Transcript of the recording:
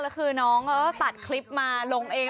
แล้วคือน้องเขาตัดคลิปมาลงเอง